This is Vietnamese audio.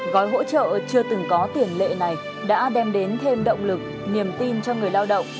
gói hỗ trợ chưa từng có tiền lệ này đã đem đến thêm động lực niềm tin cho người lao động